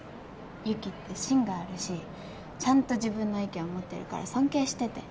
雪って芯があるしちゃんと自分の意見を持ってるから尊敬してて。